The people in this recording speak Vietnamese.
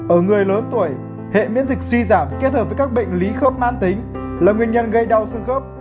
ở người lớn tuổi hệ miễn dịch suy giảm kết hợp với các bệnh lý khớp man tính là nguyên nhân gây đau xương khớp